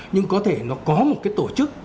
nhưng có thể nó có một cái tổ chức